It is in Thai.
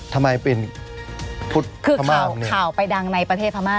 ทำไมเป็นพุทธคือข่าวไปดังในประเทศพม่า